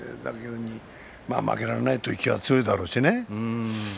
負けられないという気持ちは強いだろうしね